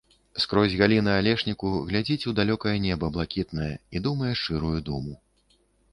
Скрозь галіны алешніку глядзіць у далёкае неба блакітнае і думае шчырую думу.